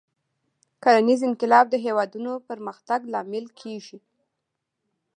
کرنیز انقلاب د هېوادونو پرمختګ لامل کېږي.